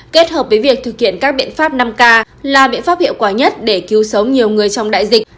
kết hợp với việc thực hiện các biện pháp năm k là biện pháp hiệu quả nhất để cứu sống nhiều người trong đại dịch